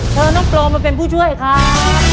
เชิญน้องโปรมาเป็นผู้ช่วยครับ